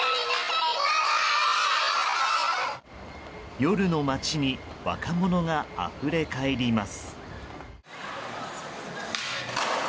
夜の街に若者があふれかえります。